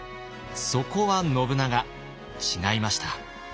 そこは信長違いました。